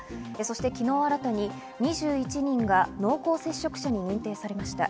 昨日、新たに２１人が濃厚接触者に認定されました。